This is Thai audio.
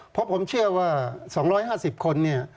เพราะผมเชื่อว่า๒๕๐คนเนี่ย